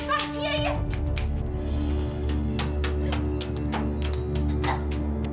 saya sedang sedang sedang